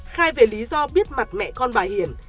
khai về lý do biết mặt mẹ con bà hiền